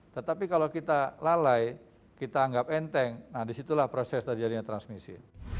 tetapi kalau kita lalai kita anggap enteng nah disitulah proses terjadinya transmisi